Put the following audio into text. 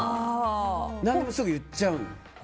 何でもすぐ言っちゃうの。